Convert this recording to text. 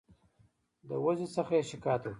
د وضع څخه یې شکایت وکړ.